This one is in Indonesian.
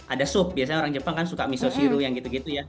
ada sup biasanya orang jepang kan suka misoshiru yang gitu gitu ya